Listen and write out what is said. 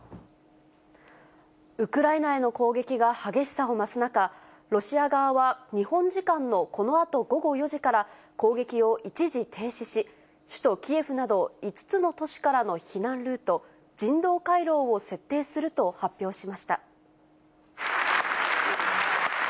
ウクライナへの攻撃が激しさを増す中、ロシア側は、日本時間のこのあと午後４時から、攻撃を一時停止し、首都キエフなど、５つの都市からの避難ルート、人道回廊を設定すると発表しました。